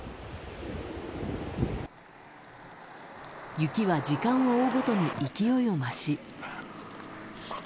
雪は時間を追うごとに勢いを増し。